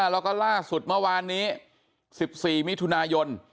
แล้วก็ล่าสุดเมื่อวานนี้๑๔มิถุนายน